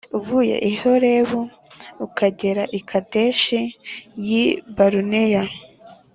Uvuye i Horebu ukagera i Kadeshi y i Baruneya